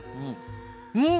うん！